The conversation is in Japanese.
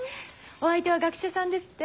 お相手は学者さんですって？